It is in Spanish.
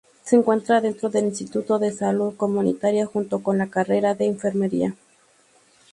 Se encuentra dentro del instituto de salud comunitaria junto con la carrera de Enfermería.